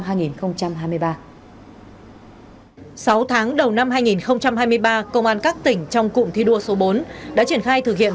sáu tháng đầu năm hai nghìn hai mươi ba công an các tỉnh trong cụm thi đua số bốn đã triển khai thực hiện